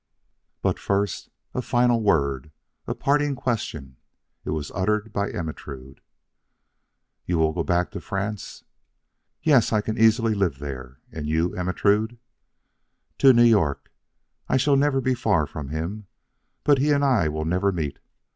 But first, a final word a parting question. It was uttered by Ermentrude. "You will go back to France?" "Yes. I can easily live there. And you, Ermentrude?" "To New York. I shall never go far from him. But he and I will never meet.